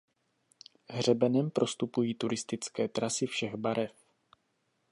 Hřebenem prostupují turistické trasy všech barev.